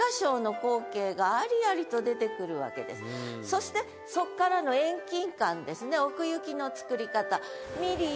ここでいろんなそしてそこからの遠近感ですね奥行きの作り方